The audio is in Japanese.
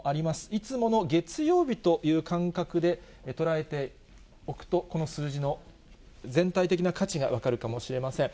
いつもの月曜日という感覚で捉えておくと、この数字の全体的な価値が分かるかもしれません。